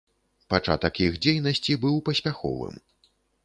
Пачатак іх дзейнасці быў паспяховым.